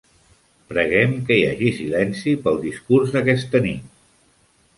Preguem que hi hagi silenci pel discurs d'aquesta nit.